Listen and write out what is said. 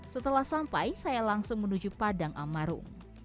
setelah sampai saya langsung menuju padang amarung